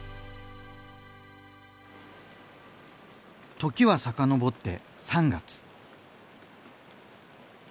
時は遡って３月。